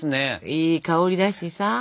いい香りだしさ。